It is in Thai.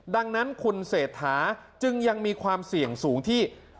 ดังนั้นคุณเศรษฐาจึงยังมีความเสี่ยงสูงที่